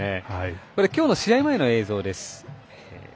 今日の試合前の映像です。